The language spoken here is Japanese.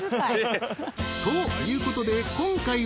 ［ということで今回は］